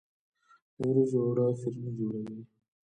د وریجو اوړه فرني جوړوي.